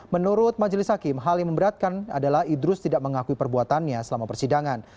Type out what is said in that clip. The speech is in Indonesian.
menurut majelis hakim hal yang memberatkan adalah idrus tidak mengakui perbuatannya selama persidangan